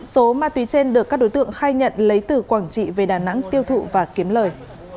số ma túy trên được các đối tượng khai nhận lấy từ quảng trị về đà nẵng tiêu thụ và kiếm lời